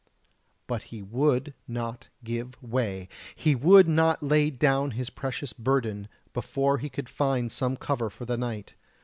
But he would not give way! He would not lay down his precious burden before he could find some cover for the night!